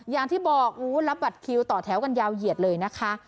อย่างที่บอกรับบัตรคิวต่อแถวกันยาวเหยียดเลยนะคะ